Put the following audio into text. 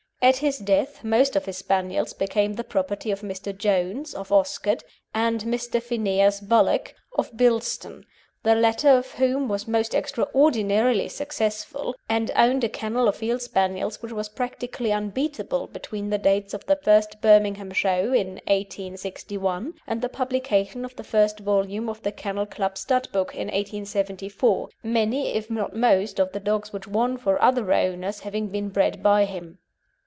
At his death most of his Spaniels became the property of Mr. Jones, of Oscott, and Mr. Phineas Bullock, of Bilston, the latter of whom was most extraordinarily successful, and owned a kennel of Field Spaniels which was practically unbeatable between the dates of the first Birmingham Show in 1861 and the publication of the first volume of the Kennel Club's Stud Book in 1874, many, if not most, of the dogs which won for other owners having been bred by him.